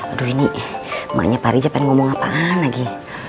aduh ini emaknya pak rija pengen ngomong apaan lagi